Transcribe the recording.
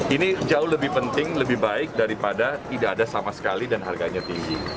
ini jauh lebih penting lebih baik daripada tidak ada sama sekali dan harganya tinggi